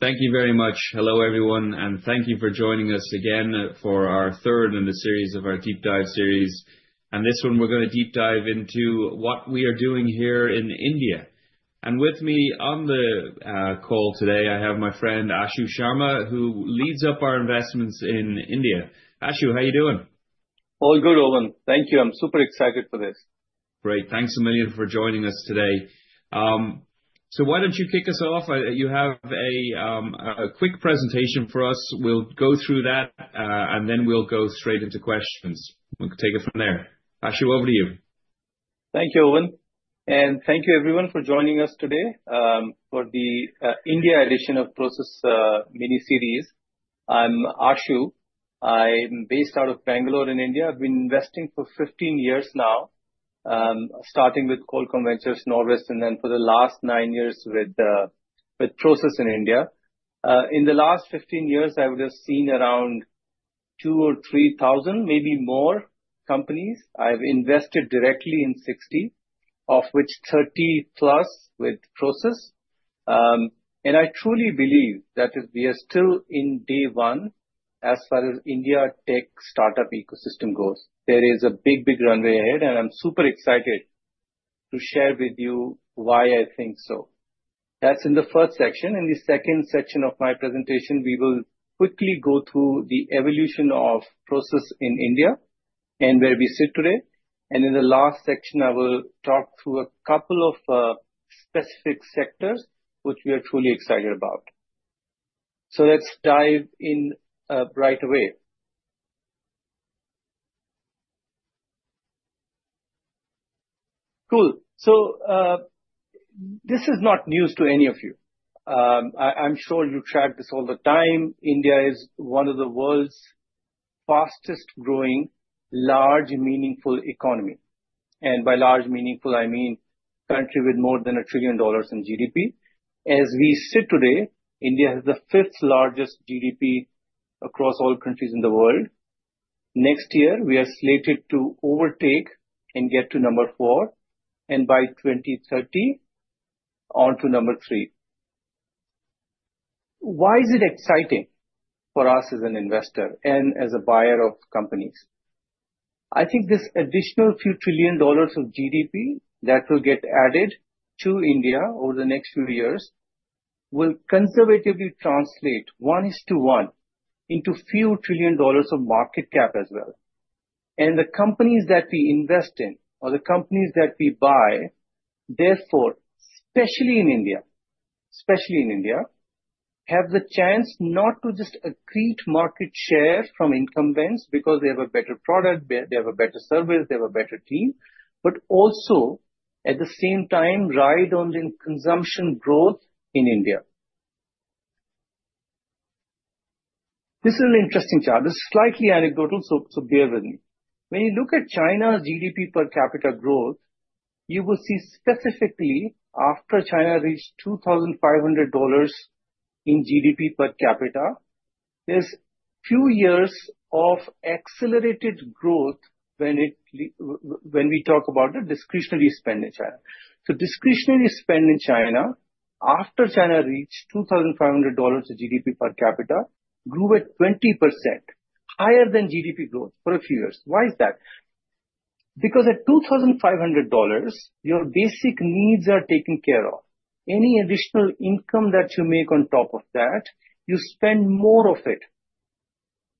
Thank you very much. Hello, everyone, and thank you for joining us again for our third in the series of our deep dive series, and this one we're going to deep dive into what we are doing here in India, and with me on the call today, I have my friend Ashu Sharma, who leads up our investments in India. Ashu, how are you doing? All good, Eoin. Thank you. I'm super excited for this. Great. Thanks a million for joining us today. So why don't you kick us off? You have a quick presentation for us. We'll go through that, and then we'll go straight into questions. We'll take it from there. Ashu, over to you. Thank you, Eoin. And thank you, everyone, for joining us today for the India edition of Prosus miniseries. I'm Ashu. I'm based out of Bangalore in India. I've been investing for 15 years now, starting with Qualcomm Ventures Norwest, and then for the last nine years with Prosus in India. In the last 15 years, I would have seen around 2,000 or 3,000, maybe more companies. I've invested directly in 60, of which 30 plus with Prosus. And I truly believe that we are still in day one as far as India tech startup ecosystem goes. There is a big, big runway ahead, and I'm super excited to share with you why I think so. That's in the first section. In the second section of my presentation, we will quickly go through the evolution of Prosus in India and where we sit today. In the last section, I will talk through a couple of specific sectors, which we are truly excited about. Let's dive in right away. Cool. This is not news to any of you. I'm sure you track this all the time. India is one of the world's fastest-growing, large, meaningful economies. By large, meaningful, I mean a country with more than $1 trillion in GDP. As we sit today, India has the fifth largest GDP across all countries in the world. Next year, we are slated to overtake and get to number four, and by 2030, on to number three. Why is it exciting for us as an investor and as a buyer of companies? I think this additional few trillion dollars of GDP that will get added to India over the next few years will conservatively translate, one-to-one, into few trillion dollars of market cap as well. And the companies that we invest in or the companies that we buy, therefore, especially in India, have the chance not to just accrete market share from incumbent banks because they have a better product, they have a better service, they have a better team, but also, at the same time, ride on the consumption growth in India. This is an interesting chart. This is slightly anecdotal, so bear with me. When you look at China's GDP per capita growth, you will see specifically after China reached $2,500 in GDP per capita, there's a few years of accelerated growth when we talk about the discretionary spend in China. So discretionary spend in China, after China reached $2,500 of GDP per capita, grew at 20%, higher than GDP growth for a few years. Why is that? Because at $2,500, your basic needs are taken care of. Any additional income that you make on top of that, you spend more of it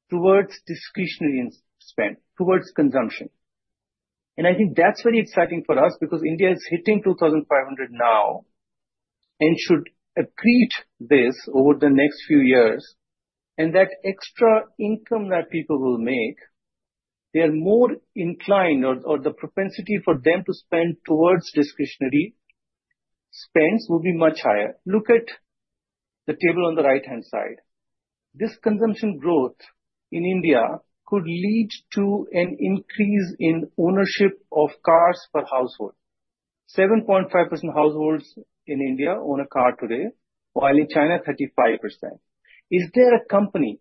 towards discretionary spend, towards consumption. And I think that's very exciting for us because India is hitting $2,500 now and should accrete this over the next few years. And that extra income that people will make, they are more inclined, or the propensity for them to spend towards discretionary spends will be much higher. Look at the table on the right-hand side. This consumption growth in India could lead to an increase in ownership of cars per household. 7.5% households in India own a car today, while in China, 35%. Is there a company,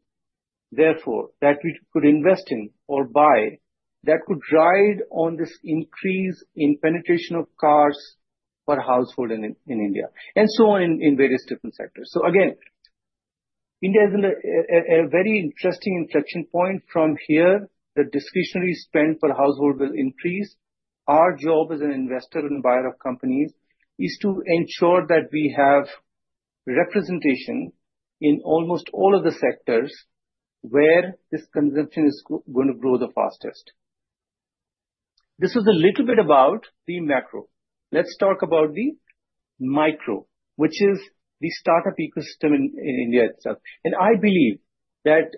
therefore, that we could invest in or buy that could ride on this increase in penetration of cars per household in India? And so on in various different sectors. So again, India is in a very interesting inflection point. From here, the discretionary spend per household will increase. Our job as an investor and buyer of companies is to ensure that we have representation in almost all of the sectors where this consumption is going to grow the fastest. This was a little bit about the macro. Let's talk about the micro, which is the startup ecosystem in India itself. And I believe that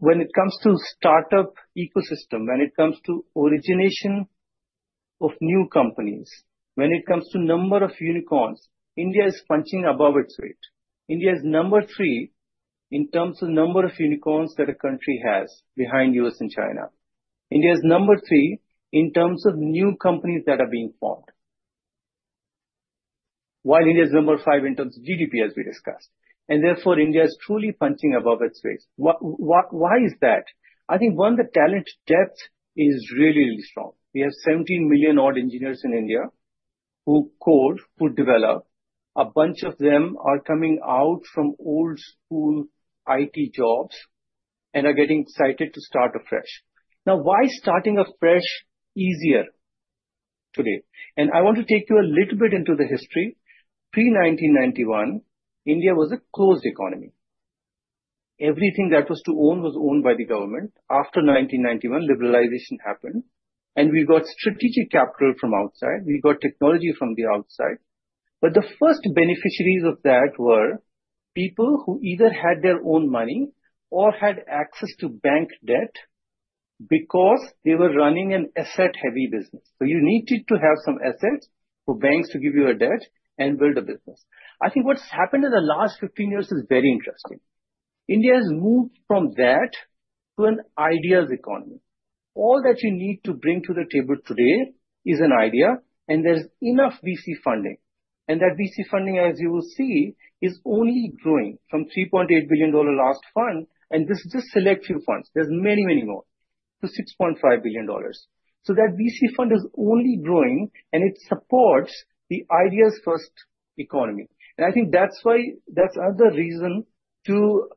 when it comes to startup ecosystem, when it comes to origination of new companies, when it comes to number of unicorns, India is punching above its weight. India is number three in terms of number of unicorns that a country has behind the US and China. India is number three in terms of new companies that are being formed, while India is number five in terms of GDP, as we discussed, and therefore, India is truly punching above its weight. Why is that? I think, one, the talent depth is really, really strong. We have 17 million-odd engineers in India who code, who develop. A bunch of them are coming out from old-school IT jobs and are getting excited to start afresh. Now, why is starting afresh easier today, and I want to take you a little bit into the history. Pre-1991, India was a closed economy. Everything that was to own was owned by the government. After 1991, liberalization happened, and we got strategic capital from outside. We got technology from the outside. But the first beneficiaries of that were people who either had their own money or had access to bank debt because they were running an asset-heavy business. So you needed to have some assets for banks to give you a debt and build a business. I think what's happened in the last 15 years is very interesting. India has moved from that to an ideas economy. All that you need to bring to the table today is an idea, and there's enough VC funding. And that VC funding, as you will see, is only growing from $3.8 billion last fund, and this is just a select few funds. There's many, many more to $6.5 billion. So that VC fund is only growing, and it supports the ideas-first economy. And I think that's why that's another reason to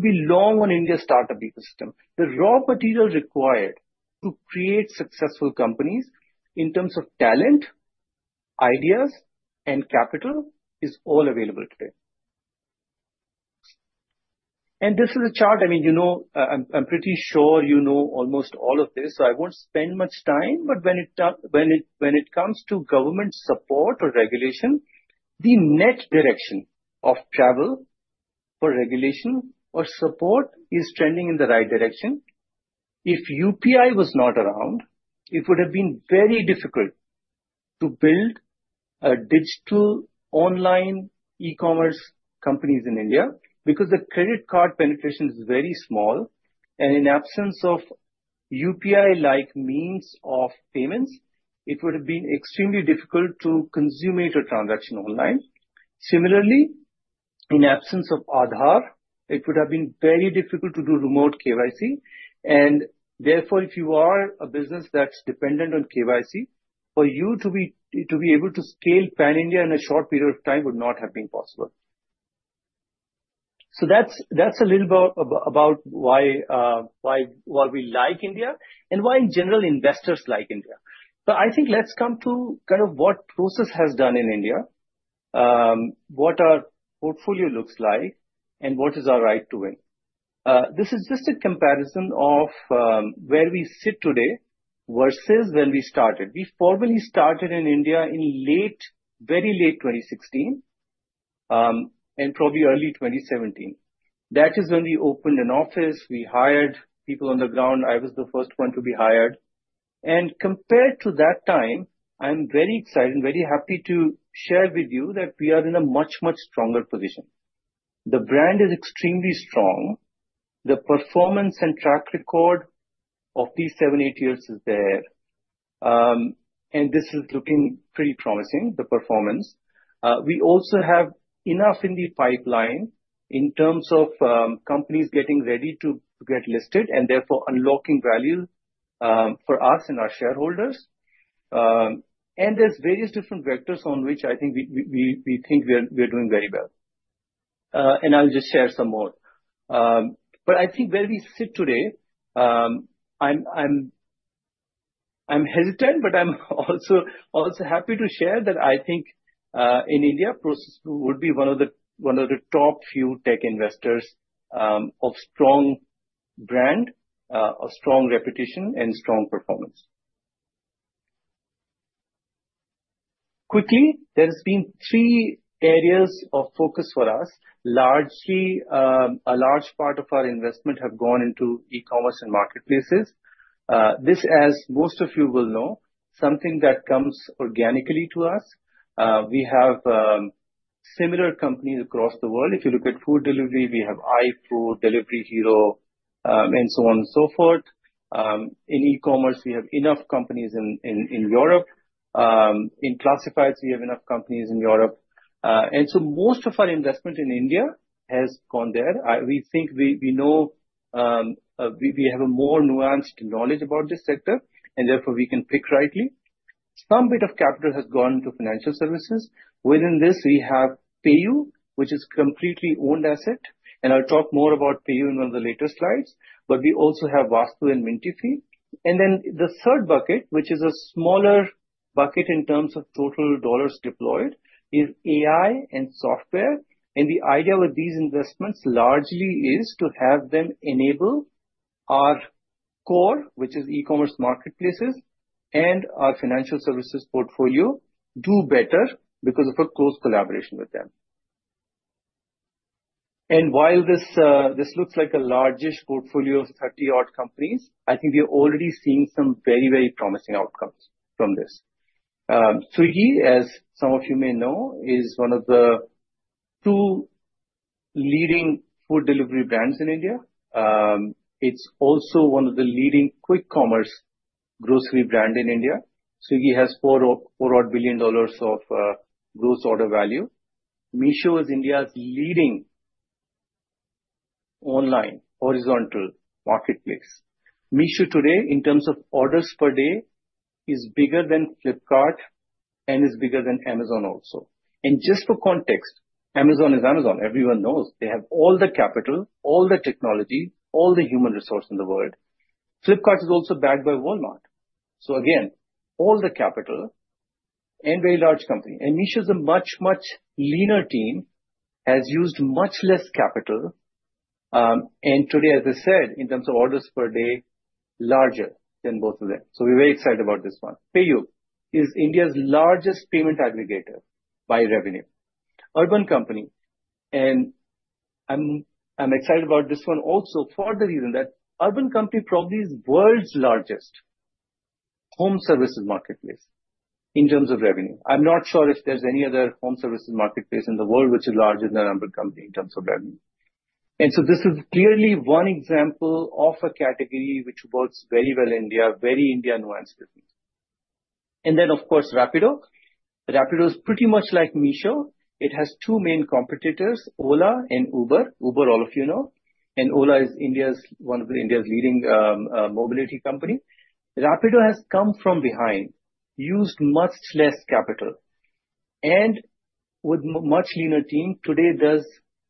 be long on India's startup ecosystem. The raw material required to create successful companies in terms of talent, ideas, and capital is all available today. This is a chart. I mean, I'm pretty sure you know almost all of this, so I won't spend much time. When it comes to government support or regulation, the net direction of travel for regulation or support is trending in the right direction. If UPI was not around, it would have been very difficult to build digital online e-commerce companies in India because the credit card penetration is very small. In absence of UPI-like means of payments, it would have been extremely difficult to consummate a transaction online. Similarly, in absence of Aadhaar, it would have been very difficult to do remote KYC. And therefore, if you are a business that's dependent on KYC, for you to be able to scale pan-India in a short period of time would not have been possible. So that's a little about why we like India and why, in general, investors like India. But I think let's come to kind of what Prosus has done in India, what our portfolio looks like, and what is our right to win. This is just a comparison of where we sit today versus when we started. We formally started in India in very late 2016 and probably early 2017. That is when we opened an office. We hired people on the ground. I was the first one to be hired. And compared to that time, I'm very excited and very happy to share with you that we are in a much, much stronger position. The brand is extremely strong. The performance and track record of these seven, eight years is there. This is looking pretty promising, the performance. We also have enough in the pipeline in terms of companies getting ready to get listed and therefore unlocking value for us and our shareholders. There's various different vectors on which I think we think we are doing very well. I'll just share some more. I think where we sit today, I'm hesitant, but I'm also happy to share that I think in India, Prosus would be one of the top few tech investors of strong brand, of strong reputation, and strong performance. Quickly, there have been three areas of focus for us. A large part of our investment has gone into e-commerce and marketplaces. This, as most of you will know, is something that comes organically to us. We have similar companies across the world. If you look at food delivery, we have iFood, Delivery Hero, and so on and so forth. In e-commerce, we have enough companies in Europe. In classifieds, we have enough companies in Europe, and so most of our investment in India has gone there. We think we have a more nuanced knowledge about this sector, and therefore we can pick rightly. Some bit of capital has gone to financial services. Within this, we have PayU, which is a completely owned asset, and I'll talk more about PayU in one of the later slides, but we also have Vatsu and Mintifi, and then the third bucket, which is a smaller bucket in terms of total dollars deployed, is AI and software. The idea with these investments largely is to have them enable our core, which is e-commerce marketplaces, and our financial services portfolio to do better because of a close collaboration with them. While this looks like a largish portfolio of 30-odd companies, I think we are already seeing some very, very promising outcomes from this. Swiggy, as some of you may know, is one of the two leading food delivery brands in India. It's also one of the leading quick commerce grocery brands in India. Swiggy has $4 odd billion of gross order value. Meesho is India's leading online horizontal marketplace. Meesho today, in terms of orders per day, is bigger than Flipkart and is bigger than Amazon also. Just for context, Amazon is Amazon. Everyone knows they have all the capital, all the technology, all the human resource in the world. Flipkart is also backed by Walmart. So again, all the capital and a very large company. And Meesho is a much, much leaner team, has used much less capital. And today, as I said, in terms of orders per day, larger than both of them. So we're very excited about this one. PayU is India's largest payment aggregator by revenue. Urban Company. And I'm excited about this one also for the reason that Urban Company probably is the world's largest home services marketplace in terms of revenue. I'm not sure if there's any other home services marketplace in the world which is larger than Urban Company in terms of revenue. And so this is clearly one example of a category which works very well in India, very India-nuanced business. And then, of course, Rapido. Rapido is pretty much like Meesho. It has two main competitors, Ola and Uber. Uber, all of you know. Ola is one of India's leading mobility companies. Rapido has come from behind, used much less capital, and with a much leaner team today does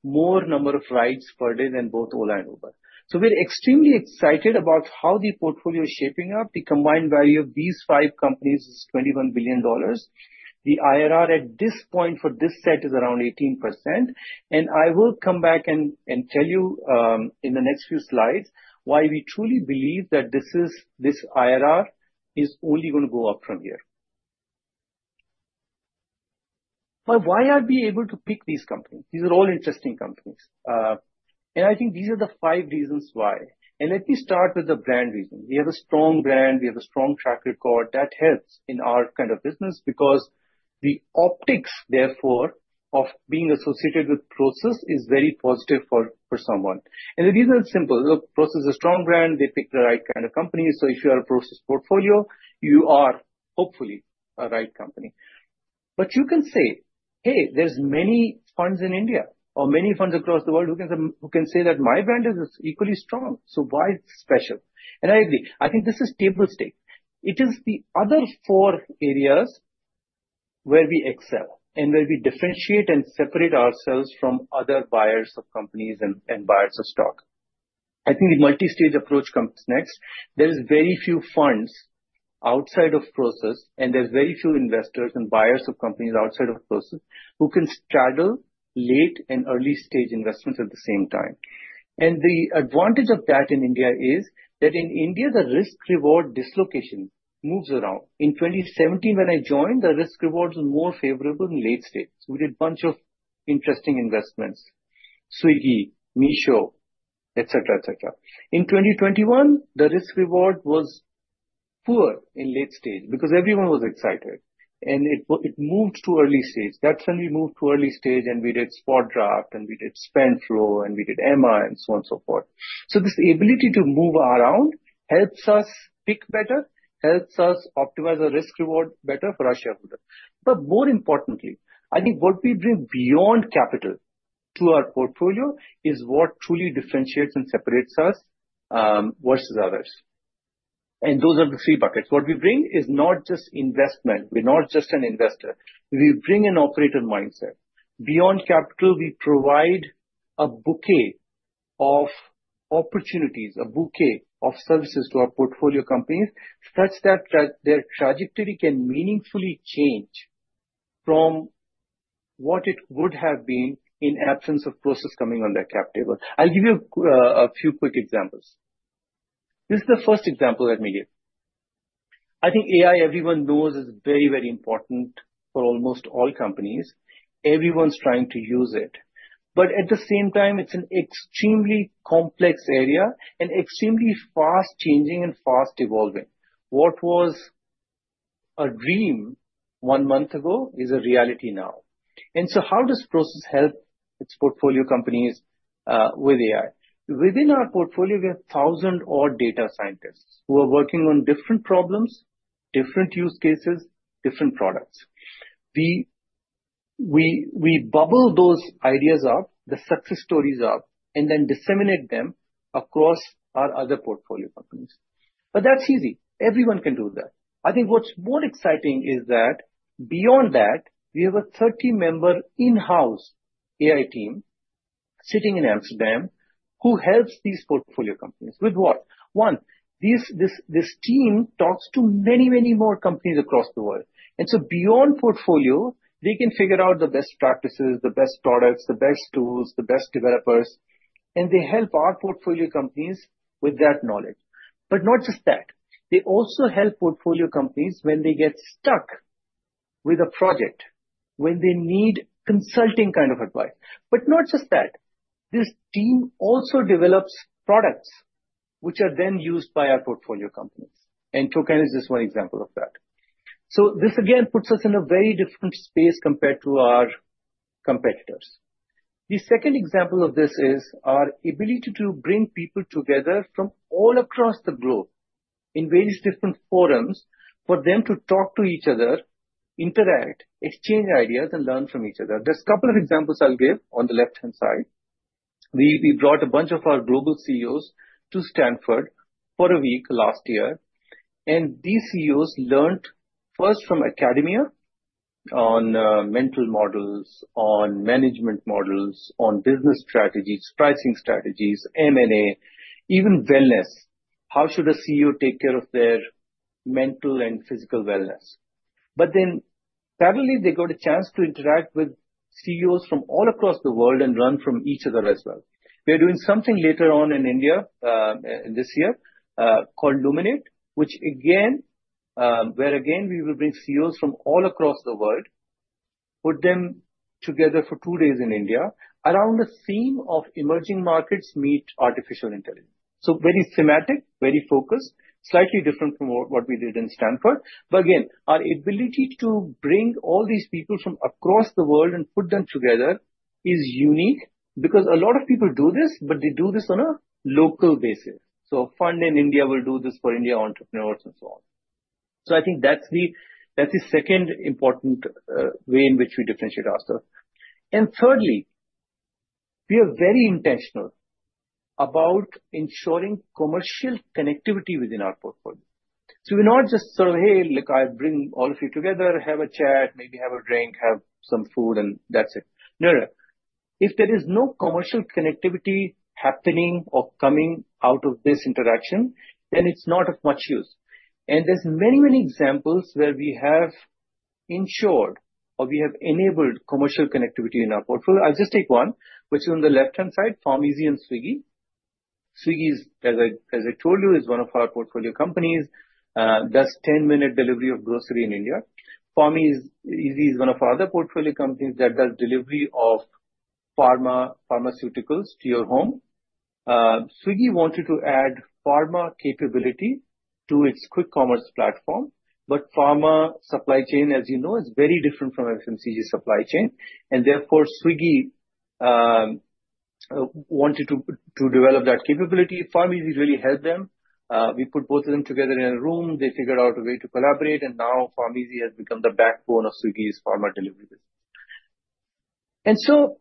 more number of rides per day than both Ola and Uber. We're extremely excited about how the portfolio is shaping up. The combined value of these five companies is $21 billion. The IRR at this point for this set is around 18%. I will come back and tell you in the next few slides why we truly believe that this IRR is only going to go up from here. Why are we able to pick these companies? These are all interesting companies. I think these are the five reasons why. Let me start with the brand reason. We have a strong brand. We have a strong track record. That helps in our kind of business because the optics, therefore, of being associated with Prosus is very positive for someone. And the reason is simple. Prosus is a strong brand. They pick the right kind of company. So if you are a Prosus portfolio, you are hopefully a right company. But you can say, "Hey, there's many funds in India or many funds across the world who can say that my brand is equally strong. So why is it special?" And I agree. I think this is table stakes. It is the other four areas where we excel and where we differentiate and separate ourselves from other buyers of companies and buyers of stock. I think the multi-stage approach comes next. There are very few funds outside of Prosus, and there are very few investors and buyers of companies outside of Prosus who can straddle late and early-stage investments at the same time. And the advantage of that in India is that in India, the risk-reward dislocation moves around. In 2017, when I joined, the risk-rewards were more favorable in late stage. We did a bunch of interesting investments: Swiggy, Meesho, etc., etc. In 2021, the risk-reward was poor in late stage because everyone was excited, and it moved to early stage. That's when we moved to early stage, and we did SpotDraft, and we did SpendFlo, and we did Ema, and so on and so forth. So this ability to move around helps us pick better, helps us optimize our risk-reward better for our shareholders. But more importantly, I think what we bring beyond capital to our portfolio is what truly differentiates and separates us versus others. And those are the three buckets. What we bring is not just investment. We're not just an investor. We bring an operator mindset. Beyond capital, we provide a bouquet of opportunities, a bouquet of services to our portfolio companies such that their trajectory can meaningfully change from what it would have been in absence of Prosus coming on that cap table. I'll give you a few quick examples. This is the first example that we give. I think AI, everyone knows, is very, very important for almost all companies. Everyone's trying to use it. But at the same time, it's an extremely complex area and extremely fast-changing and fast-evolving. What was a dream one month ago is a reality now. And so how does Prosus help its portfolio companies with AI? Within our portfolio, we have 1,000-odd data scientists who are working on different problems, different use cases, different products. We bubble those ideas up, the success stories up, and then disseminate them across our other portfolio companies. But that's easy. Everyone can do that. I think what's more exciting is that beyond that, we have a 30-member in-house AI team sitting in Amsterdam who helps these portfolio companies. With what? One, this team talks to many, many more companies across the world. And so beyond portfolio, they can figure out the best practices, the best products, the best tools, the best developers. And they help our portfolio companies with that knowledge. But not just that. They also help portfolio companies when they get stuck with a project, when they need consulting kind of advice. But not just that. This team also develops products which are then used by our portfolio companies. And Token is just one example of that. So this, again, puts us in a very different space compared to our competitors. The second example of this is our ability to bring people together from all across the globe in various different forums for them to talk to each other, interact, exchange ideas, and learn from each other. There's a couple of examples I'll give on the left-hand side. We brought a bunch of our global CEOs to Stanford for a week last year. And these CEOs learned first from academia on mental models, on management models, on business strategies, pricing strategies, M&A, even wellness. How should a CEO take care of their mental and physical wellness? But then suddenly, they got a chance to interact with CEOs from all across the world and learn from each other as well. We are doing something later on in India this year called Luminate, which, again, where again we will bring CEOs from all across the world, put them together for two days in India around the theme of emerging markets meet artificial intelligence. So very thematic, very focused, slightly different from what we did in Stanford. But again, our ability to bring all these people from across the world and put them together is unique because a lot of people do this, but they do this on a local basis. So I think that's the second important way in which we differentiate ourselves. And thirdly, we are very intentional about ensuring commercial connectivity within our portfolio. So we're not just sort of, "Hey, look, I'll bring all of you together, have a chat, maybe have a drink, have some food, and that's it." No, no. If there is no commercial connectivity happening or coming out of this interaction, then it's not of much use. And there's many, many examples where we have ensured or we have enabled commercial connectivity in our portfolio. I'll just take one, which is on the left-hand side, PharmEasy and Swiggy. Swiggy, as I told you, is one of our portfolio companies, does 10-minute delivery of grocery in India. PharmEasy is one of our other portfolio companies that does delivery of pharmaceuticals to your home. Swiggy wanted to add pharma capability to its quick commerce platform. But pharma supply chain, as you know, is very different from FMCG supply chain. And therefore, Swiggy wanted to develop that capability. PharmEasy really helped them. We put both of them together in a room. They figured out a way to collaborate. And now PharmEasy has become the backbone of Swiggy's pharma delivery business. And so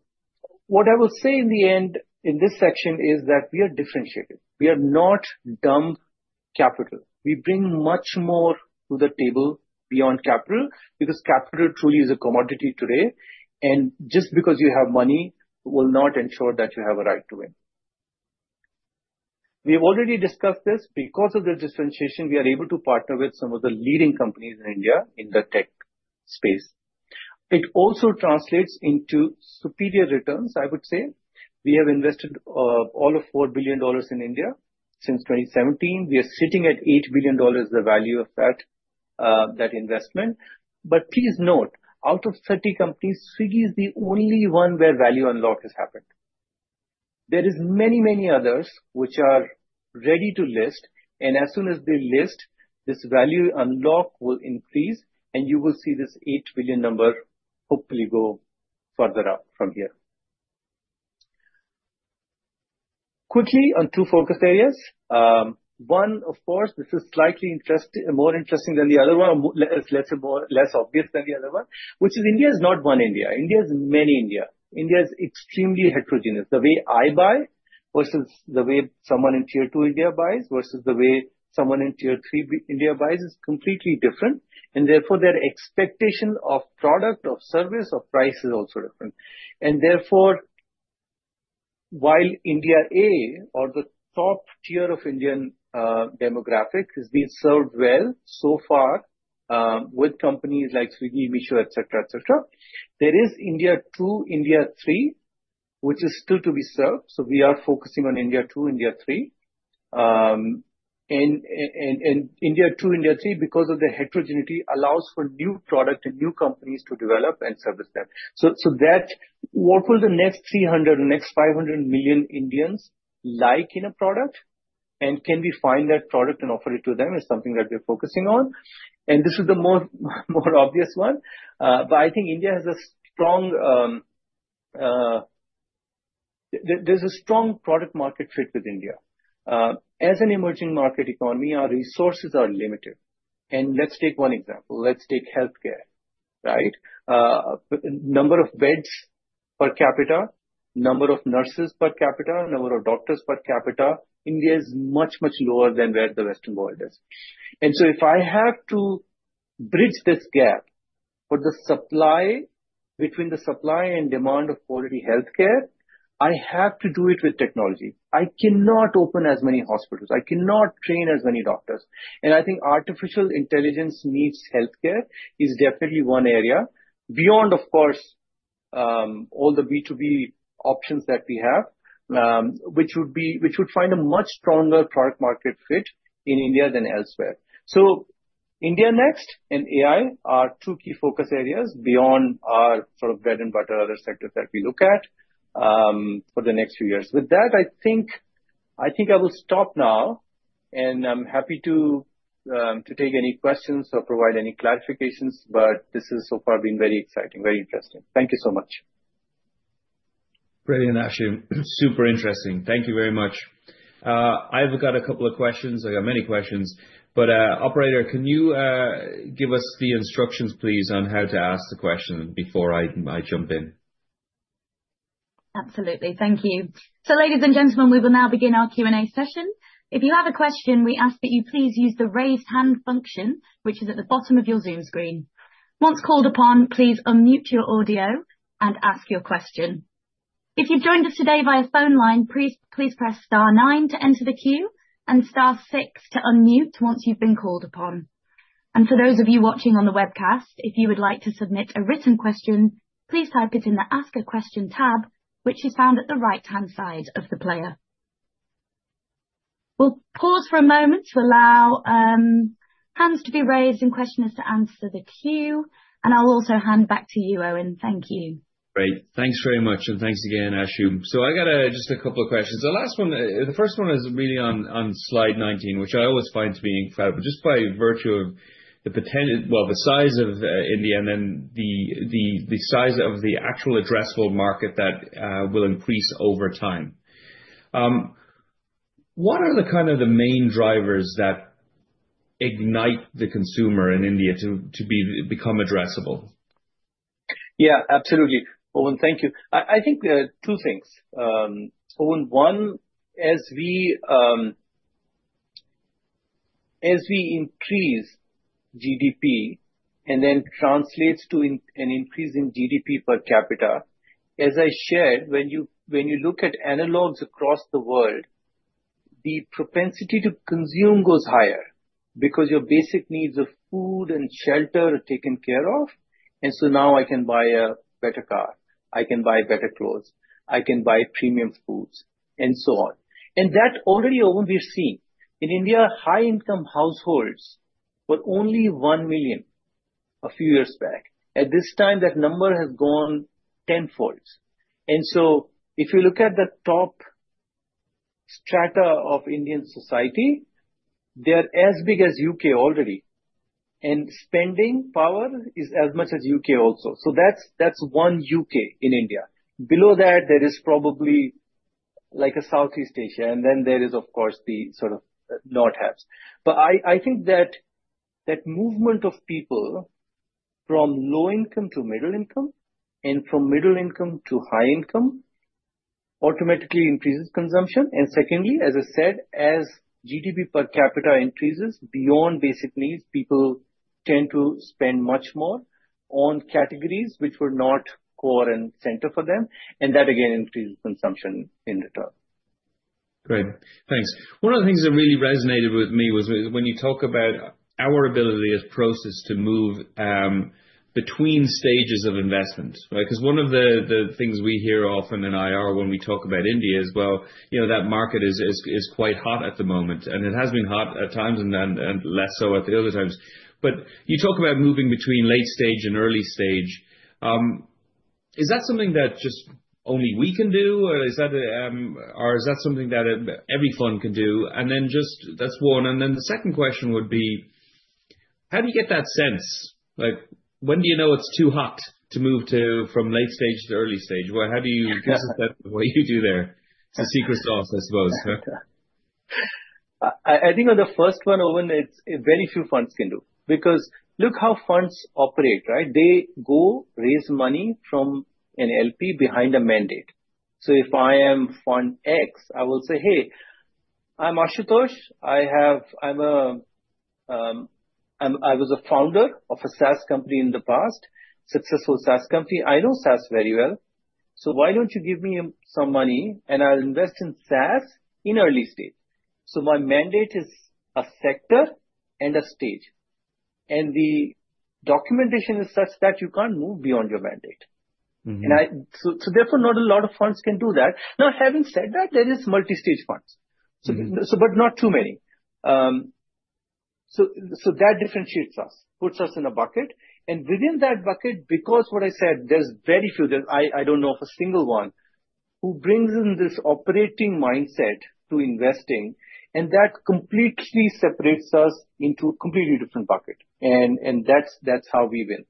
what I will say in the end in this section is that we are differentiated. We are not dumb capital. We bring much more to the table beyond capital because capital truly is a commodity today. And just because you have money will not ensure that you have a right to win. We have already discussed this. Because of the differentiation, we are able to partner with some of the leading companies in India in the tech space. It also translates into superior returns, I would say. We have invested all of $4 billion in India since 2017. We are sitting at $8 billion, the value of that investment. But please note, out of 30 companies, Swiggy is the only one where value unlock has happened. There are many, many others which are ready to list. And as soon as they list, this value unlock will increase, and you will see this $8 billion number hopefully go further up from here. Quickly on two focus areas. One, of course, this is slightly more interesting than the other one, or less obvious than the other one, which is India is not one India. India is many India. India is extremely heterogeneous. The way I buy versus the way someone in tier two India buys versus the way someone in tier three India buys is completely different. And therefore, their expectation of product, of service, of price is also different. And therefore, while India A, or the top tier of Indian demographics, is being served well so far with companies like Swiggy, Meesho, etc., etc., there is India 2, India 3, which is still to be served. So we are focusing on India 2, India 3. And India 2, India 3, because of the heterogeneity, allows for new product and new companies to develop and service them. So what will the next 300, next 500 million Indians like in a product? And can we find that product and offer it to them is something that we're focusing on. And this is the more obvious one. But I think India has a strong product market fit with India. As an emerging market economy, our resources are limited. And let's take one example. Let's take healthcare, right? Number of beds per capita, number of nurses per capita, number of doctors per capita, India, is much, much lower than where the Western world is. And so if I have to bridge this gap between the supply and demand of quality healthcare, I have to do it with technology. I cannot open as many hospitals. I cannot train as many doctors. And I think artificial intelligence in healthcare is definitely one area, beyond, of course, all the B2B options that we have, which would find a much stronger product market fit in India than elsewhere. So India next and AI are two key focus areas beyond our sort of bread and butter other sectors that we look at for the next few years. With that, I think I will stop now, and I'm happy to take any questions or provide any clarifications, but this has so far been very exciting, very interesting. Thank you so much. Brilliant, Ashu. Super interesting. Thank you very much. I've got a couple of questions. I got many questions. But Operator, can you give us the instructions, please, on how to ask the question before I jump in? Absolutely. Thank you. So, ladies and gentlemen, we will now begin our Q&A session. If you have a question, we ask that you please use the raised hand function, which is at the bottom of your Zoom screen. Once called upon, please unmute your audio and ask your question. If you've joined us today via phone line, please press star nine to enter the queue and star six to unmute once you've been called upon. For those of you watching on the webcast, if you would like to submit a written question, please type it in the Ask a Question tab, which is found at the right-hand side of the player. We'll pause for a moment to allow hands to be raised and questioners to enter the queue. I'll also hand back to you, Eoin. Thank you. Great. Thanks very much. And thanks again, Ashu. So I got just a couple of questions. The last one, the first one is really on slide 19, which I always find to be incredible just by virtue of the potential, well, the size of India and then the size of the actual addressable market that will increase over time. What are the kind of main drivers that ignite the consumer in India to become addressable? Yeah, absolutely. Eoin, thank you. I think two things. Eoin, one, as we increase GDP and then translates to an increase in GDP per capita, as I shared, when you look at analogs across the world, the propensity to consume goes higher because your basic needs of food and shelter are taken care of. And so now I can buy a better car. I can buy better clothes. I can buy premium foods and so on. And that already, Eoin, we're seeing. In India, high-income households were only one million a few years back. At this time, that number has gone tenfold. And so if you look at the top strata of Indian society, they're as big as U already. And spending power is as much as UK also. So that's one UK in India. Below that, there is probably like a Southeast Asia. And then there is, of course, the sort of have-nots. But I think that movement of people from low income to middle income and from middle income to high income automatically increases consumption. And secondly, as I said, as GDP per capita increases beyond basic needs, people tend to spend much more on categories which were not core and center for them. And that, again, increases consumption in return. Great. Thanks. One of the things that really resonated with me was when you talk about our ability as Prosus to move between stages of investment, right? Because one of the things we hear often in IR when we talk about India is, well, that market is quite hot at the moment. And it has been hot at times and less so at the other times. But you talk about moving between late stage and early stage. Is that something that just only we can do? Or is that something that every fund can do? And then just that's one. And then the second question would be, how do you get that sense? When do you know it's too hot to move from late stage to early stage? How do you get the sense of what you do there? It's a secret sauce, I suppose. I think on the first one, Eoin, it's very few funds can do. Because look how funds operate, right? They go, raise money from an LP behind a mandate. So if I am fund X, I will say, "Hey, I'm Ashutosh. I was a founder of a SaaS company in the past, successful SaaS company. I know SaaS very well. So why don't you give me some money and I'll invest in SaaS in early stage?" So my mandate is a sector and a stage. The documentation is such that you can't move beyond your mandate. Therefore, not a lot of funds can do that. Now, having said that, there are multi-stage funds, but not too many. That differentiates us, puts us in a bucket. Within that bucket, because what I said, there's very few. I don't know of a single one who brings in this operating mindset to investing. That completely separates us into a completely different bucket. That's how we win.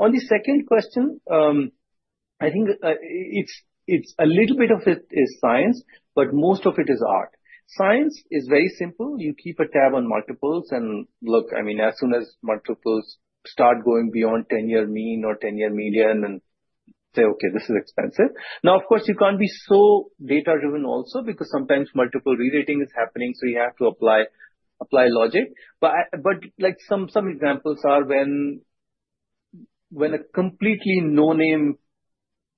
On the second question, I think it's a little bit of science, but most of it is art. Science is very simple. You keep a tab on multiples. Look, I mean, as soon as multiples start going beyond 10-year mean or 10-year median and say, "Okay, this is expensive." Now, of course, you can't be so data-driven also because sometimes multiple re-rating is happening. You have to apply logic. But some examples are when a completely no-name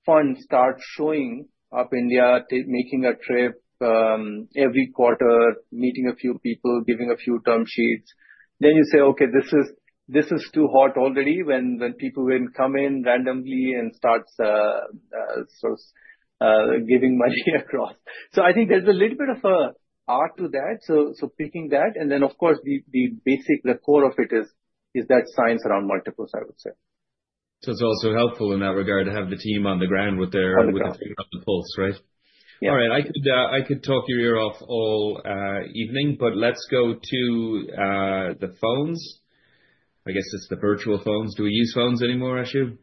fund starts showing up in India, making a trip every quarter, meeting a few people, giving a few term sheets. Then you say, "Okay, this is too hot already when people come in randomly and start sort of giving money across." So I think there's a little bit of art to that. So picking that. And then, of course, the basic, the core of it is that science around multiples, I would say. So it's also helpful in that regard to have the team on the ground with the finger on the pulse, right? Yeah. All right. I could talk your ear off all evening, but let's go to the phones. I guess it's the virtual phones. Do we use phones anymore, Ashu?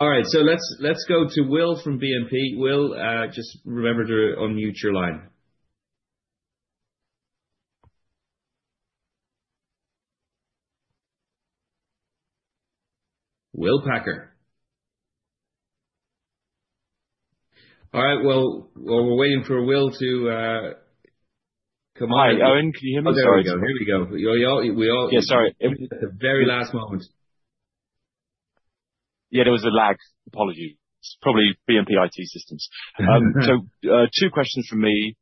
All right. So let's go to Will from BNP. Will, just remember to unmute your line. Will Packer. All right. Well, we're waiting for Will to come on. Hi, Eoin, can you hear me? Sorry. There we go. Here we go. We all, yeah, sorry. It was at the very last moment. Yeah, there was a lag. Apology. It's probably BNP IT Systems. So two questions from me.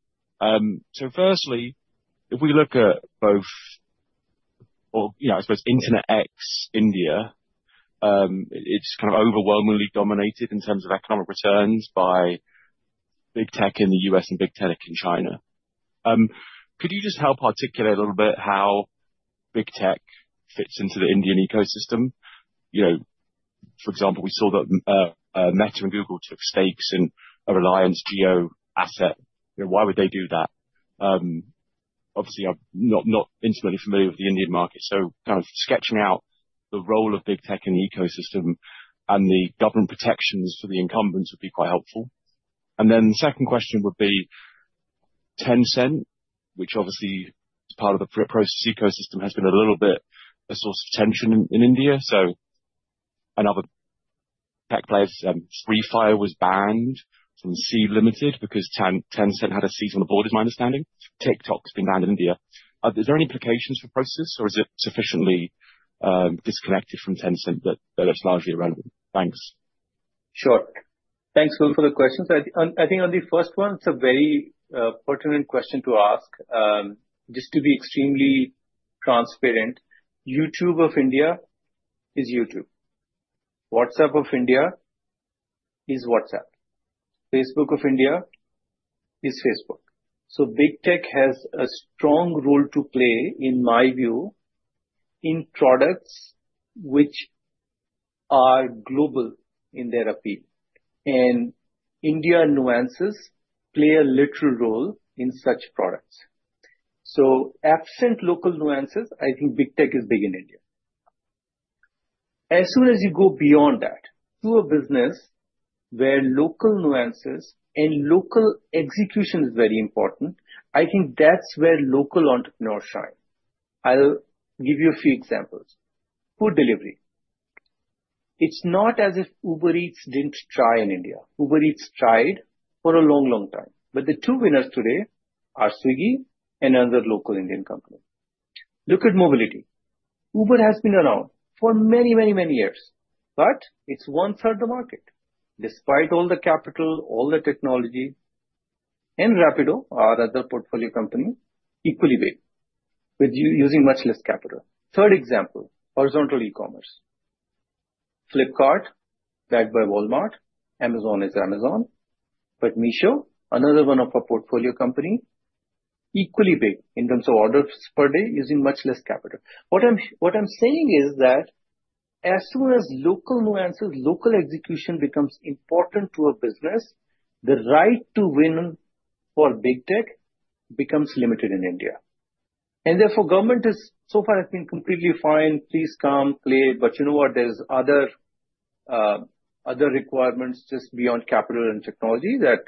So firstly, if we look at both, I suppose, internet in India, it's kind of overwhelmingly dominated in terms of economic returns by big tech in the US and big tech in China. Could you just help articulate a little bit how big tech fits into the Indian ecosystem? For example, we saw that Meta and Google took stakes in a Reliance Jio asset. Why would they do that? Obviously, I'm not intimately familiar with the Indian market. So kind of sketching out the role of big tech in the ecosystem and the government protections for the incumbents would be quite helpful. And then the second question would be Tencent, which obviously is part of the Prosus ecosystem, has been a little bit a source of tension in India. So another tech player, Spotify, was banned from Sea Limited because Tencent had a seat on the board, is my understanding. TikTok has been banned in India. Is there any implications for Prosus, or is it sufficiently disconnected from Tencent that it's largely irrelevant? Thanks. Sure. Thanks, Will, for the questions. I think on the first one, it's a very pertinent question to ask. Just to be extremely transparent, YouTube of India is YouTube. WhatsApp of India is WhatsApp. Facebook of India is Facebook. Big tech has a strong role to play, in my view, in products which are global in their appeal. And Indian nuances play a pivotal role in such products. Absent local nuances, I think big tech is big in India. As soon as you go beyond that to a business where local nuances and local execution is very important, I think that's where local entrepreneurs shine. I'll give you a few examples. Food delivery. It's not as if Uber Eats didn't try in India. Uber Eats tried for a long, long time. But the two winners today are Swiggy and another local Indian company. Look at mobility. Uber has been around for many, many, many years, but it's one-third of the market. Despite all the capital, all the technology, and Rapido or other portfolio companies equally big but using much less capital. Third example, horizontal e-commerce. Flipkart, backed by Walmart. Amazon is Amazon. But Meesho, another one of our portfolio companies, equally big in terms of orders per day using much less capital. What I'm saying is that as soon as local nuances, local execution becomes important to a business, the right to win for big tech becomes limited in India. And therefore, government has so far been completely fine. Please come, play. But you know what? There are other requirements just beyond capital and technology that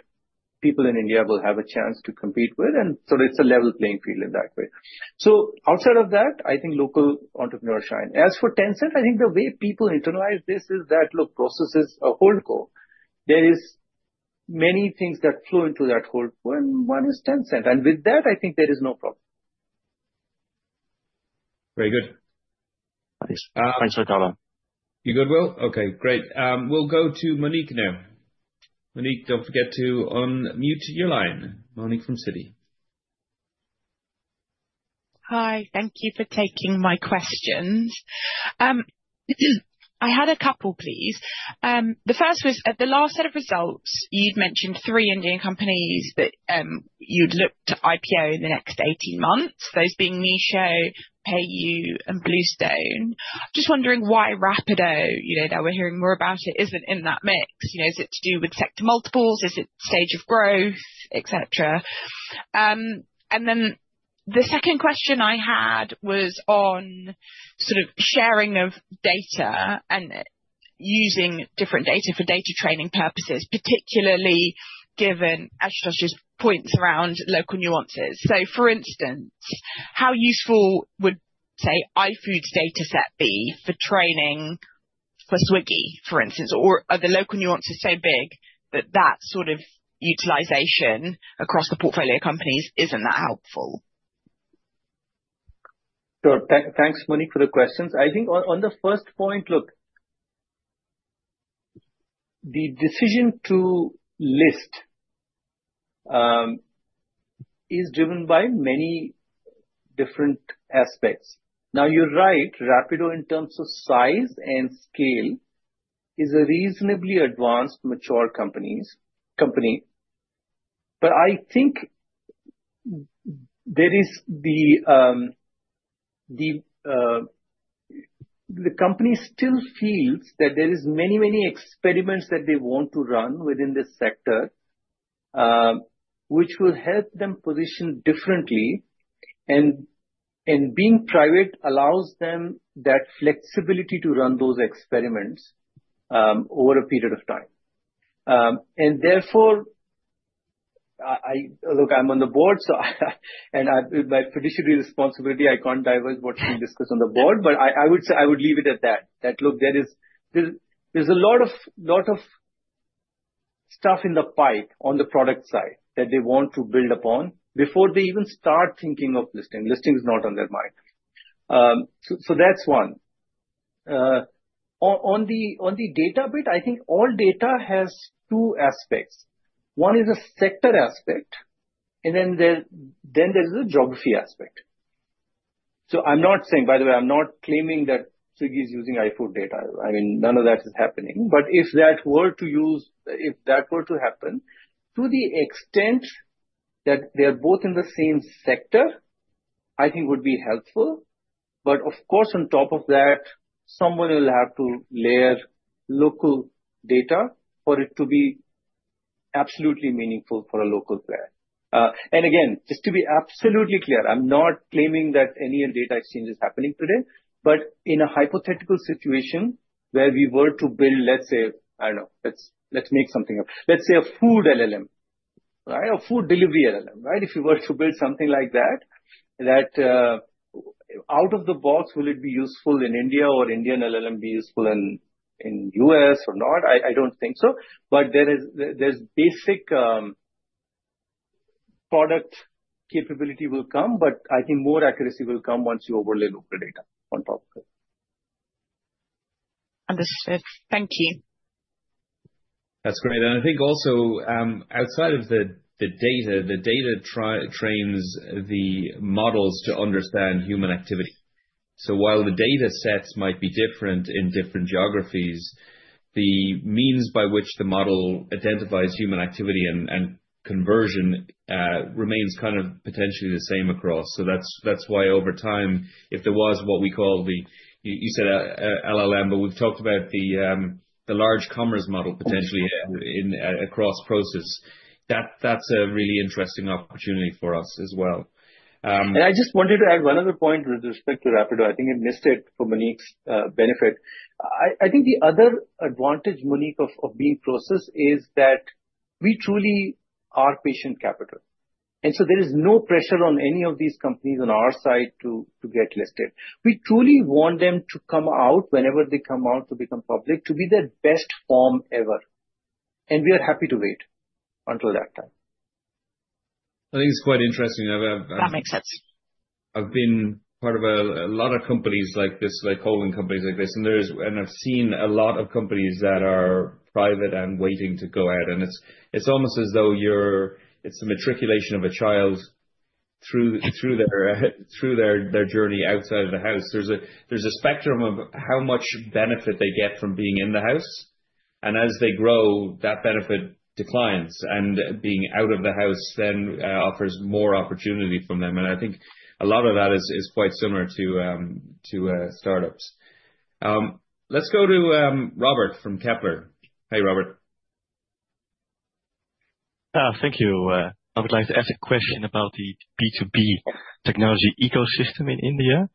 people in India will have a chance to compete with. And so it's a level playing field in that way. So outside of that, I think local entrepreneurs shine. As for Tencent, I think the way people internalize this is that, look, Prosus is a holdco. There are many things that flow into that holdco. And one is Tencent. And with that, I think there is no problem. Very good. Thanks, Ricardo. You good, Will? Okay, great. We'll go to Monique now. Monique, don't forget to unmute your line. Monique from Citi. Hi. Thank you for taking my questions. I had a couple, please. The first was, at the last set of results, you'd mentioned three Indian companies that you'd look to IPO in the next 18 months, those being Michel, PayU, and BlueStone. Just wondering why Rapido, now we're hearing more about it, isn't in that mix? Is it to do with sector multiples? Is it stage of growth, etc.? And then the second question I had was on sort of sharing of data and using different data for data training purposes, particularly given Ashutosh's points around local nuances. So, for instance, how useful would, say, iFood's dataset be for training for Swiggy, for instance? Or are the local nuances so big that that sort of utilization across the portfolio companies isn't that helpful? Sure. Thanks, Monique, for the questions. I think on the first point, look, the decision to list is driven by many different aspects. Now, you're right. Rapido, in terms of size and scale, is a reasonably advanced mature company. But I think the company still feels that there are many, many experiments that they want to run within this sector, which will help them position differently. And being private allows them that flexibility to run those experiments over a period of time. And therefore, look, I'm on the board, and it's my fiduciary responsibility. I can't divulge what's being discussed on the board, but I would leave it at that. Look, there's a lot of stuff in the pipe on the product side that they want to build upon before they even start thinking of listing. Listing is not on their mind. So that's one. On the data bit, I think all data has two aspects. One is a sector aspect, and then there's a geography aspect. So I'm not saying, by the way, I'm not claiming that Swiggy is using iFood data. I mean, none of that is happening. But if that were to happen, to the extent that they are both in the same sector, I think would be helpful. But, of course, on top of that, someone will have to layer local data for it to be absolutely meaningful for a local player. And again, just to be absolutely clear, I'm not claiming that any data exchange is happening today. But in a hypothetical situation where we were to build, let's say, I don't know, let's make something up. Let's say a food LLM, right? A food delivery LLM, right? If you were to build something like that, out of the box, will it be useful in India, or will Indian LLM be useful in the US or not? I don't think so. But there's basic product capability will come, but I think more accuracy will come once you overlay local data on top of it. Understood. Thank you. That's great. And I think also, outside of the data, the data trains the models to understand human activity. So while the datasets might be different in different geographies, the means by which the model identifies human activity and conversion remains kind of potentially the same across. So that's why, over time, if there was what we call the, you said LLM, but we've talked about the large commerce model potentially across Prosus, that's a really interesting opportunity for us as well. And I just wanted to add one other point with respect to Rapido. I think I missed it for Monique's benefit. I think the other advantage, Monique, of being Prosus is that we truly are patient capital. And so there is no pressure on any of these companies on our side to get listed. We truly want them to come out whenever they come out to become public, to be their best form ever. And we are happy to wait until that time. I think it's quite interesting. That makes sense. I've been part of a lot of companies like this, like holding companies like this. And I've seen a lot of companies that are private and waiting to go ahead. And it's almost as though it's the matriculation of a child through their journey outside of the house. There's a spectrum of how much benefit they get from being in the house. And as they grow, that benefit declines. And being out of the house then offers more opportunity for them. And I think a lot of that is quite similar to startups. Let's go to Robert from Kepler. Hey, Robert. Thank you. I would like to ask a question about the B2B technology ecosystem in India.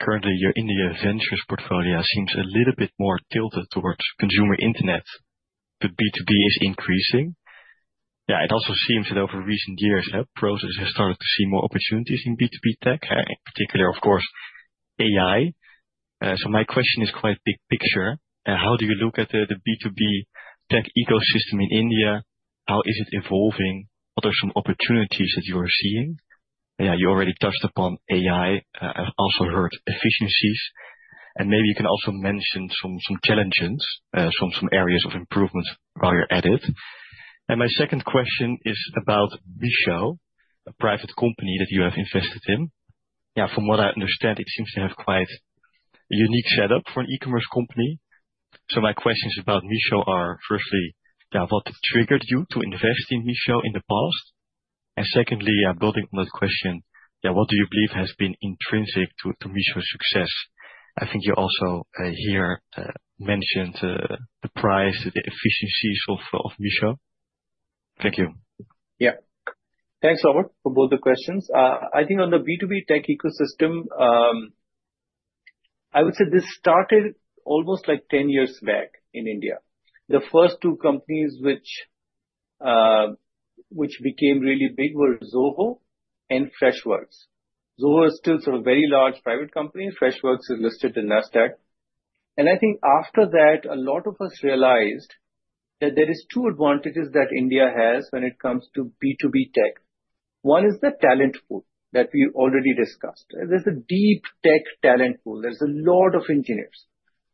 Currently, your India ventures portfolio seems a little bit more tilted towards consumer internet. But B2B is increasing. Yeah, it also seems that over recent years, Prosus has started to see more opportunities in B2B tech, in particular, of course, AI. My question is quite a big picture. How do you look at the B2B tech ecosystem in India? How is it evolving? What are some opportunities that you are seeing? Yeah, you already touched upon AI, also heard efficiencies. And maybe you can also mention some challenges, some areas of improvement while you're at it. And my second question is about Meesho, a private company that you have invested in. Yeah, from what I understand, it seems to have quite a unique setup for an e-commerce company. So my questions about Meesho are, firstly, what triggered you to invest in Meesho in the past? And secondly, building on that question, what do you believe has been intrinsic to Meesho's success? I think you also here mentioned the price, the efficiencies of Meesho. Thank you. Yeah. Thanks, Robert, for both the questions. I think on the B2B tech ecosystem, I would say this started almost like 10 years back in India. The first two companies which became really big were Zoho and Freshworks. Zoho is still sort of a very large private company. Freshworks is listed in Nasdaq, and I think after that, a lot of us realized that there are two advantages that India has when it comes to B2B tech. One is the talent pool that we already discussed. There's a deep tech talent pool. There's a lot of engineers,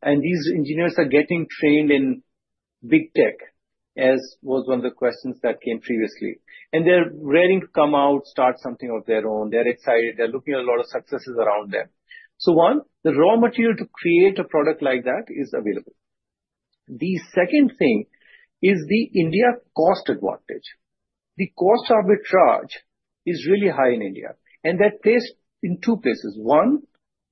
and these engineers are getting trained in big tech, as was one of the questions that came previously, and they're ready to come out, start something of their own. They're excited. They're looking at a lot of successes around them, so one, the raw material to create a product like that is available. The second thing is the India cost advantage. The cost arbitrage is really high in India, and that plays in two places. One,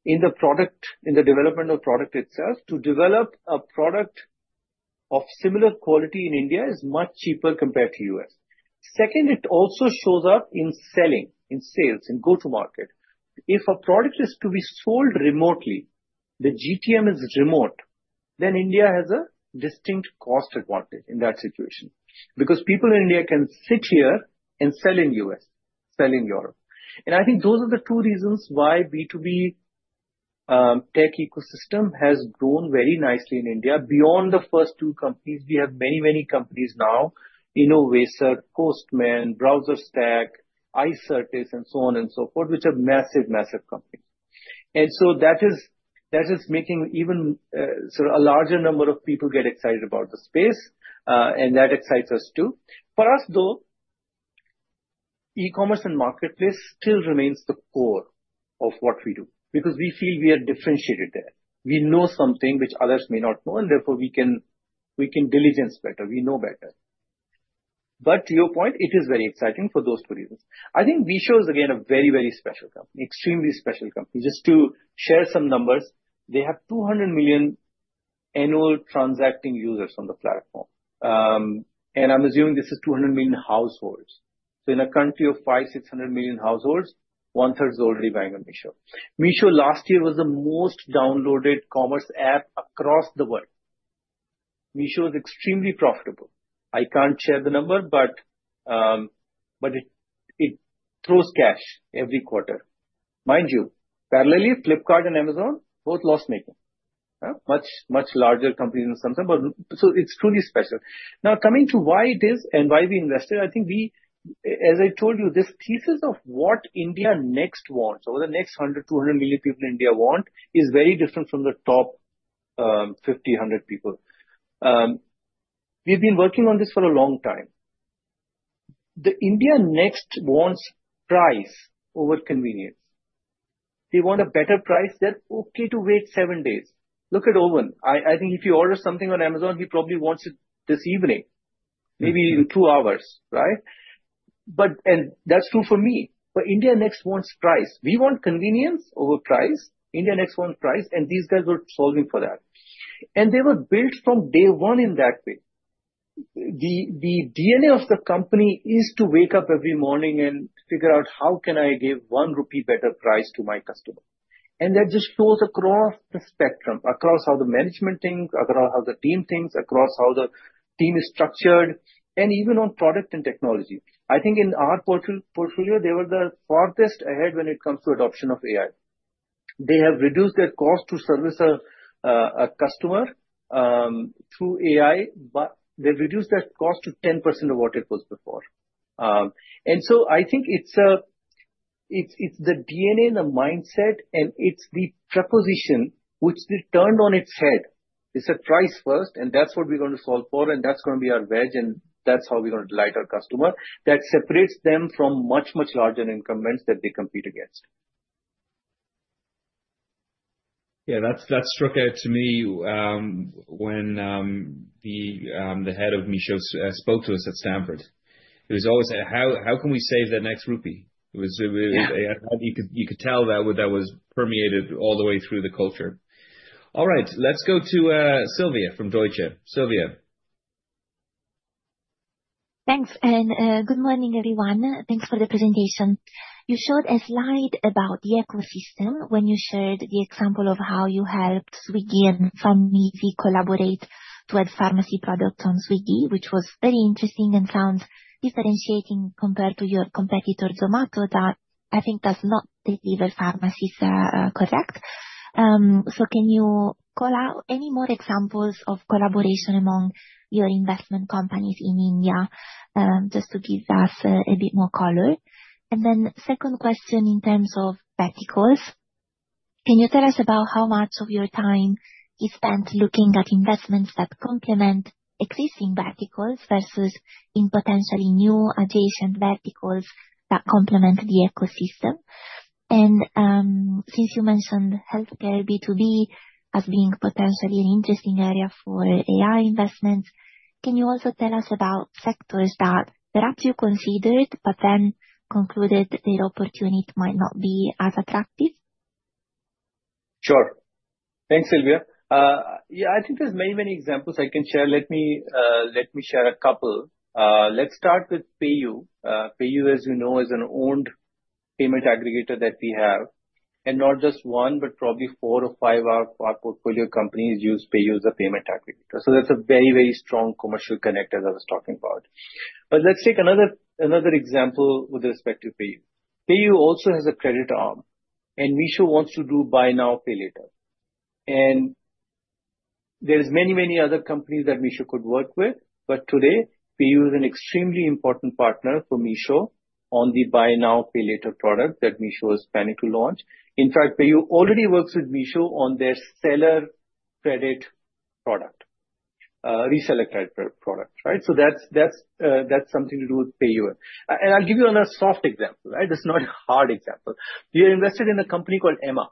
in the development of product itself, to develop a product of similar quality in India is much cheaper compared to the US Second, it also shows up in selling, in sales, in go-to-market. If a product is to be sold remotely, the GTM is remote, then India has a distinct cost advantage in that situation. Because people in India can sit here and sell in the US, sell in Europe, and I think those are the two reasons why the B2B tech ecosystem has grown very nicely in India. Beyond the first two companies, we have many, many companies now: Innovaccer, Postman, BrowserStack, Icertis, and so on and so forth, which are massive, massive companies. And so that is making even sort of a larger number of people get excited about the space. And that excites us too. For us, though, e-commerce and marketplace still remains the core of what we do. Because we feel we are differentiated there. We know something which others may not know, and therefore we can diligence better. We know better. But to your point, it is very exciting for those two reasons. I think Michel is, again, a very, very special company, extremely special company. Just to share some numbers, they have 200 million annual transacting users on the platform. And I'm assuming this is 200 million households. So in a country of 500-600 million households, one-third is already buying on Michel. Michel, last year, was the most downloaded commerce app across the world. Michel is extremely profitable. I can't share the number, but it throws cash every quarter. Mind you, parallelly, Flipkart and Amazon, both loss-making. Much larger companies in some sense. So it's truly special. Now, coming to why it is and why we invested, I think, as I told you, this thesis of what India Next wants, or the next 100, 200 million people in India want, is very different from the top 50, 100 people. We've been working on this for a long time. The India Next wants price over convenience. They want a better price than okay to wait seven days. Look at Eoin. I think if you order something on Amazon, he probably wants it this evening, maybe in two hours, right? And that's true for me. But India Next wants price. We want convenience over price. India Next wants price. And these guys were solving for that. And they were built from day one in that way. The DNA of the company is to wake up every morning and figure out, "How can I give one rupee better price to my customer?" And that just goes across the spectrum, across how the management thinks, across how the team thinks, across how the team is structured, and even on product and technology. I think in our portfolio, they were the farthest ahead when it comes to adoption of AI. They have reduced their cost to service a customer through AI, but they've reduced that cost to 10% of what it was before. And so I think it's the DNA and the mindset, and it's the proposition which they turned on its head. It's a price first, and that's what we're going to solve for, and that's going to be our wedge, and that's how we're going to delight our customer. That separates them from much, much larger incumbents that they compete against. Yeah, that stood out to me when the head of Meesho spoke to us at Stanford. It was always, "How can we save that next rupee?" You could tell that that was permeated all the way through the culture. All right. Let's go to Sylvia from Deutsche Bank. Sylvia. Thanks, and good morning, everyone. Thanks for the presentation. You showed a slide about the ecosystem when you shared the example of how you helped Swiggy and PharmEasy collaborate to add pharmacy products on Swiggy, which was very interesting and sounds differentiating compared to your competitor, Zomato, that I think does not deliver pharmacies, correct? So can you call out any more examples of collaboration among your investment companies in India just to give us a bit more color? And then second question in terms of verticals, can you tell us about how much of your time is spent looking at investments that complement existing verticals versus in potentially new adjacent verticals that complement the ecosystem? And since you mentioned healthcare B2B as being potentially an interesting area for AI investments, can you also tell us about sectors that perhaps you considered but then concluded their opportunity might not be as attractive? Sure. Thanks, Sylvia. Yeah, I think there's many, many examples I can share. Let me share a couple. Let's start with PayU. PayU, as you know, is an owned payment aggregator that we have. And not just one, but probably four or five of our portfolio companies use PayU as a payment aggregator. That's a very, very strong commercial connect, as I was talking about. But let's take another example with respect to PayU. PayU also has a credit arm. And Michel wants to do buy now, pay later. And there are many, many other companies that Michel could work with. But today, PayU is an extremely important partner for Michel on the buy now, pay later product that Michel is planning to launch. In fact, PayU already works with Michel on their seller credit product, reseller credit product, right? That's something to do with PayU. And I'll give you a soft example, right? This is not a hard example. We are invested in a company called Ema.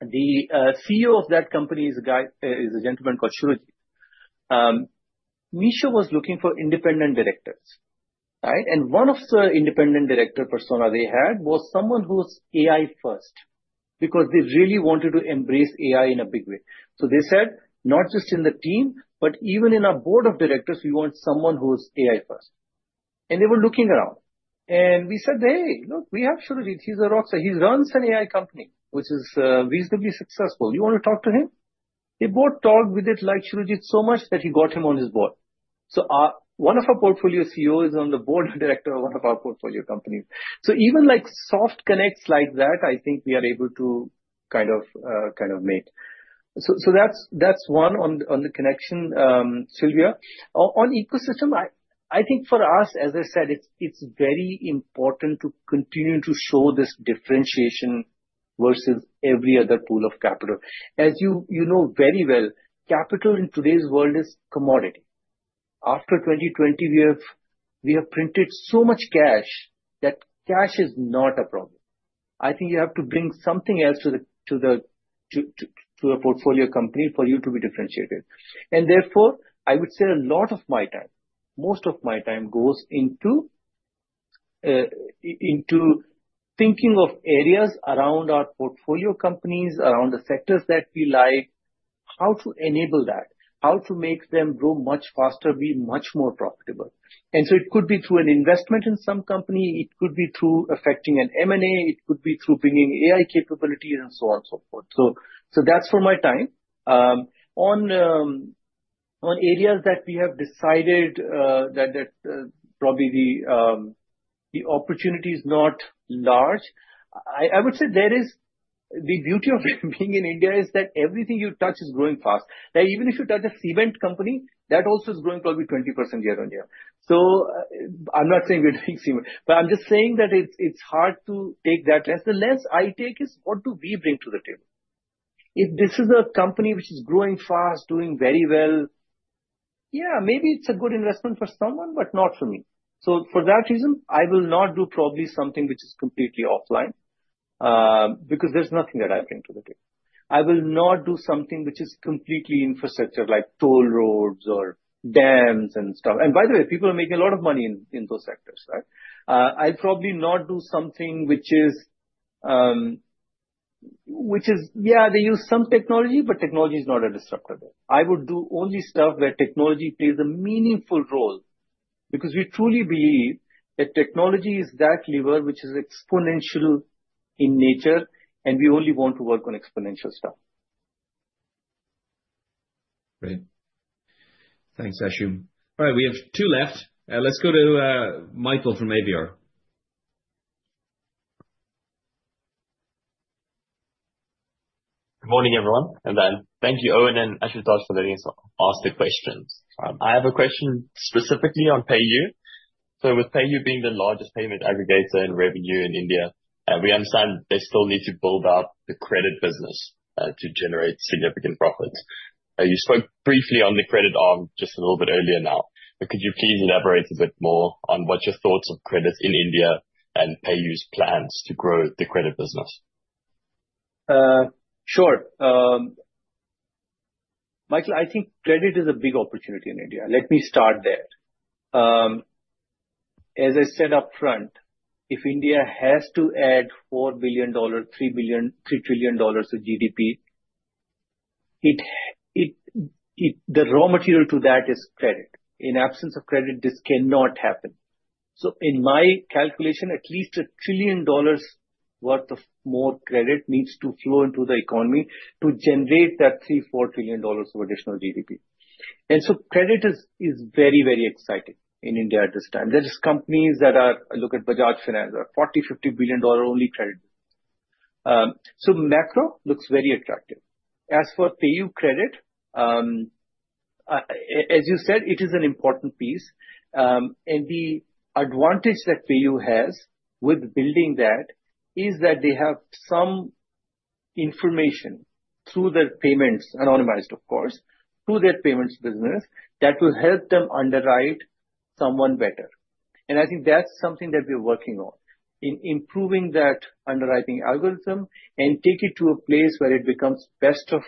The CEO of that company is a gentleman called Shiroji. Michel was looking for independent directors, right? One of the independent director personas they had was someone who's AI-first because they really wanted to embrace AI in a big way. They said, "Not just in the team, but even in our board of directors, we want someone who's AI-first." They were looking around. We said, "Hey, look, we have Shiroji. He's a rockstar. He runs an AI company, which is reasonably successful. You want to talk to him?" They both talked with Shiroji so much that they got him on their board. One of our portfolio CEOs is on the board of directors of one of our portfolio companies. Even soft connects like that, I think we are able to kind of make. That's one on the connection, Sylvia. On ecosystem, I think for us, as I said, it's very important to continue to show this differentiation versus every other pool of capital. As you know very well, capital in today's world is commodity. After 2020, we have printed so much cash that cash is not a problem. I think you have to bring something else to a portfolio company for you to be differentiated. And therefore, I would say a lot of my time, most of my time goes into thinking of areas around our portfolio companies, around the sectors that we like, how to enable that, how to make them grow much faster, be much more profitable. And so it could be through an investment in some company. It could be through affecting an M&A. It could be through bringing AI capabilities and so on and so forth. So that's for my time. On areas that we have decided that probably the opportunity is not large. I would say the beauty of being in India is that everything you touch is growing fast. Even if you touch a cement company, that also is growing probably 20% year on year. So I'm not saying we're doing cement, but I'm just saying that it's hard to take that lens. The lens I take is what do we bring to the table? If this is a company which is growing fast, doing very well, yeah, maybe it's a good investment for someone, but not for me. So for that reason, I will not do probably something which is completely offline because there's nothing that I bring to the table. I will not do something which is completely infrastructure, like toll roads or dams and stuff. And by the way, people are making a lot of money in those sectors, right? I'll probably not do something which is, yeah, they use some technology, but technology is not a disruptor there. I would do only stuff where technology plays a meaningful role because we truly believe that technology is that lever which is exponential in nature, and we only want to work on exponential stuff. Great. Thanks, Ashu. All right. We have two left. Let's go to Michael from AVR. Good morning, everyone. And thank you, Eoin and Ashutosh, for letting us ask the questions. I have a question specifically on PayU. So with PayU being the largest payment aggregator in revenue in India, we understand they still need to build up the credit business to generate significant profits. You spoke briefly on the credit arm just a little bit earlier now. Could you please elaborate a bit more on what your thoughts on credit in India and PayU's plans to grow the credit business? Sure. Michael, I think credit is a big opportunity in India. Let me start there. As I said upfront, if India has to add $4 billion, $3 trillion to GDP, the raw material to that is credit. In absence of credit, this cannot happen. So in my calculation, at least a trillion dollars' worth of more credit needs to flow into the economy to generate that $3-$4 trillion of additional GDP. And so credit is very, very exciting in India at this time. There are companies that are, look at Bajaj Finance, are $40-$50 billion only credit. So macro looks very attractive. As for PayU credit, as you said, it is an important piece. The advantage that PayU has with building that is that they have some information through their payments, anonymized, of course, through their payments business that will help them underwrite someone better. I think that's something that we're working on, in improving that underwriting algorithm and take it to a place where it becomes best of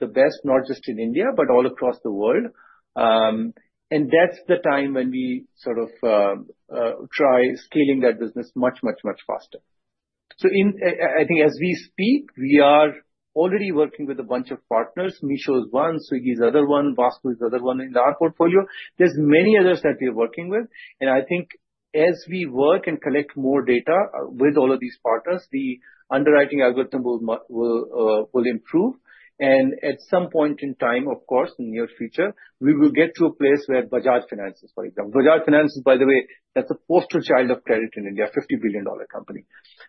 the best, not just in India, but all across the world. That's the time when we sort of try scaling that business much, much, much faster. I think as we speak, we are already working with a bunch of partners. Meesho is one, Swiggy is another one, Vastu is another one in our portfolio. There's many others that we're working with. I think as we work and collect more data with all of these partners, the underwriting algorithm will improve. And at some point in time, of course, in the near future, we will get to a place where Bajaj Finance, for example. Bajaj Finance, by the way, that's a poster child of credit in India, a $50 billion company.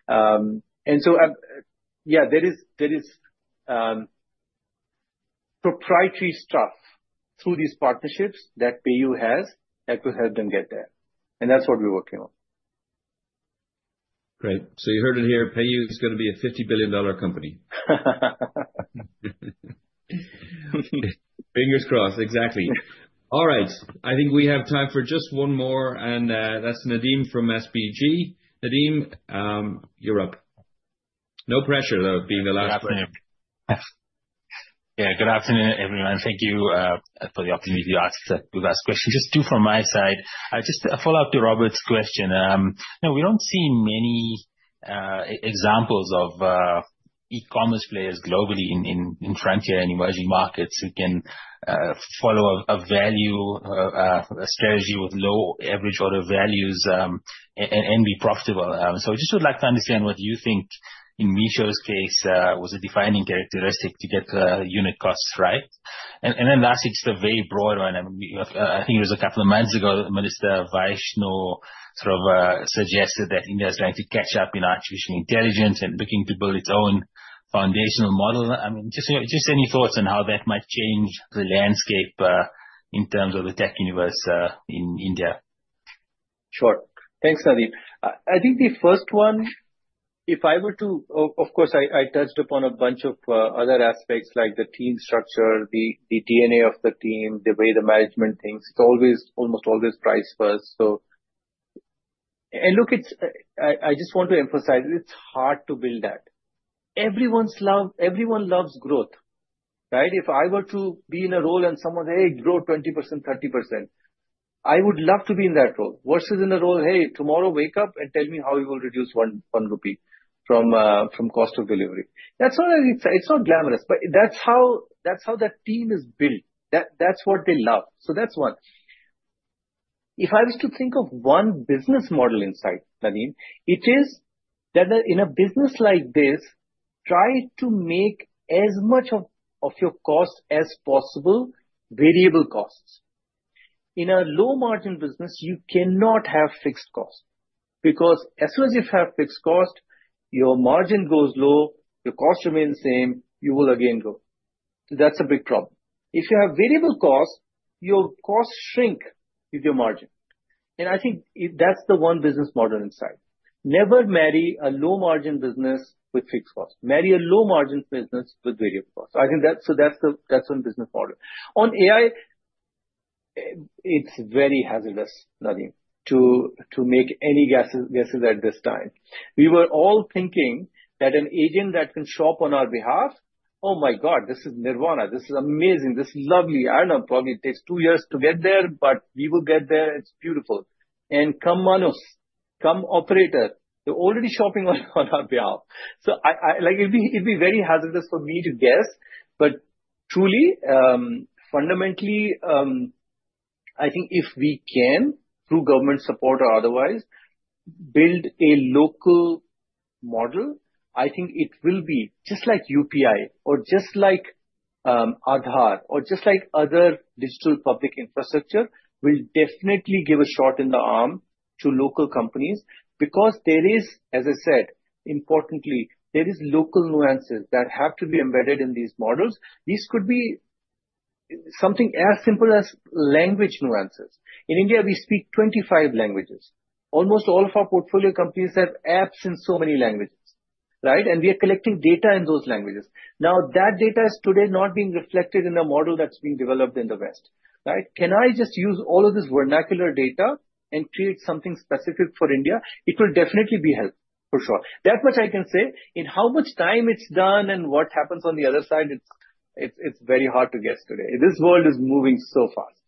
And so, yeah, there is proprietary stuff through these partnerships that PayU has that will help them get there. And that's what we're working on. Great. So you heard it here. PayU is going to be a $50 billion company. Fingers crossed. Exactly. All right. I think we have time for just one more. And that's Nadeem from SPG. Nadeem, you're up. No pressure, though, being the last one. Good afternoon. Yeah, good afternoon, everyone. Thank you for the opportunity to ask the last question. Just two from my side. Just a follow-up to Robert's question. We don't see many examples of e-commerce players globally in frontier and emerging markets who can follow a value, a strategy with low average order values and be profitable. So I just would like to understand what you think in Meesho's case was a defining characteristic to get unit costs right. And then lastly, just a very broad one. I think it was a couple of months ago, Minister Vaishnaw sort of suggested that India is trying to catch up in artificial intelligence and looking to build its own foundational model. I mean, just any thoughts on how that might change the landscape in terms of the tech universe in India? Sure. Thanks, Nadeem. I think the first one, if I were to, of course, I touched upon a bunch of other aspects like the team structure, the DNA of the team, the way the management thinks. It's always, almost always price first. And look, I just want to emphasize, it's hard to build that. Everyone loves growth, right? If I were to be in a role and someone says, "Hey, grow 20%, 30%," I would love to be in that role versus in a role, "Hey, tomorrow wake up and tell me how you will reduce 1 rupee from cost of delivery." It's not glamorous, but that's how that team is built. That's what they love. So that's one. If I was to think of one business model insight, Nadeem, it is that in a business like this, try to make as much of your cost as possible variable costs. In a low-margin business, you cannot have fixed cost because as soon as you have fixed cost, your margin goes low, your cost remains the same, you will again grow. That's a big problem. If you have variable costs, your costs shrink with your margin. And I think that's the one business model in sight. Never marry a low-margin business with fixed costs. Marry a low-margin business with variable costs. So I think that's one business model. On AI, it's very hazardous, Nadeem, to make any guesses at this time. We were all thinking that an agent that can shop on our behalf, "Oh my God, this is nirvana. This is amazing. This is lovely." I don't know. Probably it takes two years to get there, but we will get there. It's beautiful. And come Manus, come Operator. They're already shopping on our behalf. So it'd be very hazardous for me to guess. But truly, fundamentally, I think if we can, through government support or otherwise, build a local model, I think it will be just like UPI or just like Aadhaar or just like other digital public infrastructure will definitely give a shot in the arm to local companies because there is, as I said, importantly, there are local nuances that have to be embedded in these models. These could be something as simple as language nuances. In India, we speak 25 languages. Almost all of our portfolio companies have apps in so many languages, right? And we are collecting data in those languages. Now, that data is today not being reflected in a model that's being developed in the West, right? Can I just use all of this vernacular data and create something specific for India? It will definitely be help, for sure. That much I can say. In how much time it's done and what happens on the other side, it's very hard to guess today. This world is moving so fast.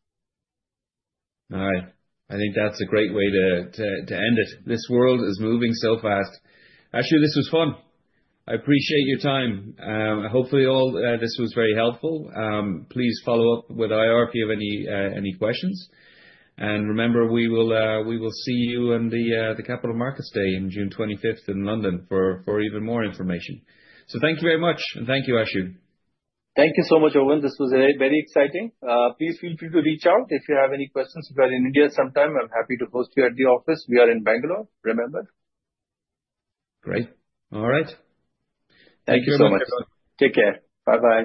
All right. I think that's a great way to end it. This world is moving so fast. Ashu, this was fun. I appreciate your time. Hopefully, this was very helpful. Please follow up with IR if you have any questions. And remember, we will see you on the Capital Markets Day on June 25th in London for even more information. So thank you very much. And thank you, Ashu. Thank you so much, Eoin. This was very exciting. Please feel free to reach out if you have any questions. If you are in India sometime, I'm happy to host you at the office. We are in Bangalore, remember. Great. All right. Thank you so much. Take care. Bye-bye.